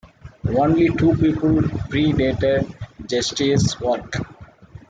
Only two people pre-dated Jesty's work.